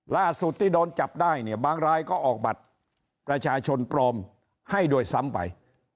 ล่าสุดที่โดนจับได้เนี่ยบางรายก็ออกบัตรประชาชนปลอมให้ด้วยซ้ำไป